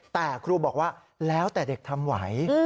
แต่ครูบอกว่าแล้วแต่เด็กทำไหว